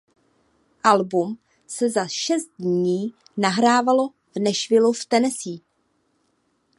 Album se za šest dní nahrávalo v Nashvillu v Tennessee.